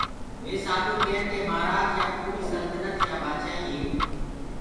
۔ وي سآڌوٚ ڪين ڪي مهآرآج يآ پوٚريٚ سلتنت يآ بآڇآئيٚ هي